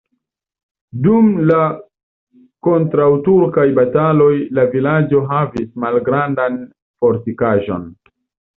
Dum la kontraŭturkaj bataloj la vilaĝo havis malgrandan fortikaĵon.